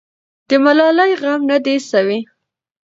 د ملالۍ غم نه دی سوی.